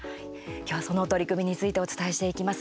今日はその取り組みについてお伝えしていきます。